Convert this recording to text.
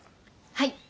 はい。